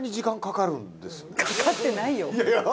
かかってないよ。